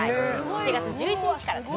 ７月１１日からですね